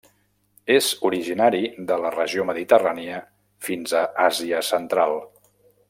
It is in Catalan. És originari de la regió mediterrània fins a Àsia Central.